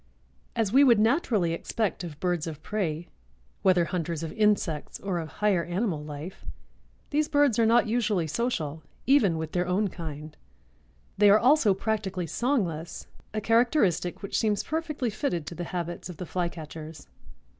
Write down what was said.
As we would naturally expect of birds of prey, whether hunters of insects or of higher animal life, these birds are not usually social, even with their own kind. They are also practically songless, a characteristic which seems perfectly fitted to the habits of the Flycatchers.